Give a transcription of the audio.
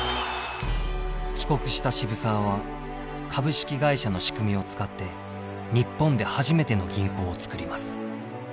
帰国した渋沢は株式会社の仕組みを使って日本で初めての銀行をつくります。